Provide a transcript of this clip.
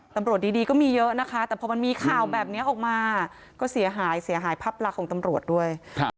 ตำรวจดีก็มีเยอะนะคะแต่พอมันมีข่าวแบบนี้ออกมาก็เสียหายเสียหายภาพลักษณ์ของตำรวจด้วย